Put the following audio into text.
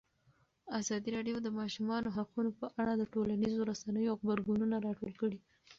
ازادي راډیو د د ماشومانو حقونه په اړه د ټولنیزو رسنیو غبرګونونه راټول کړي.